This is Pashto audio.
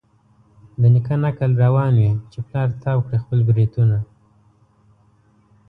د نیکه نکل روان وي چي پلار تاو کړي خپل برېتونه